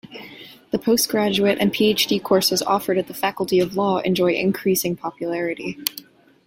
The post-graduate and PhD courses offered at the Faculty of Law enjoy increasing popularity.